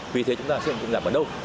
vì thế chúng ta xây dựng cụm giảm ở đâu